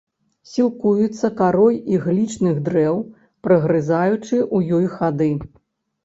Сілкуецца карой іглічных дрэў, прагрызаючы ў ёй хады.